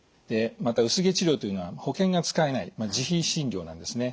また薄毛治療というのは保険が使えない自費診療なんですね。